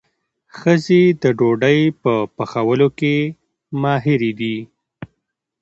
ښځې د ډوډۍ په پخولو کې ماهرې دي.